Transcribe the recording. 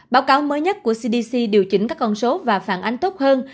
báo cáo mới nhất của cdc điều chỉnh các con số và phản ánh tốt hơn